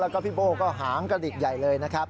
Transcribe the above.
แล้วก็พี่โบ้ก็หางกระดิกใหญ่เลยนะครับ